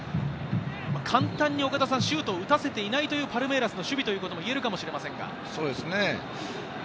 簡単にシュートを打たせていないパルメイラスの守備ということもいえるかもしれませんか？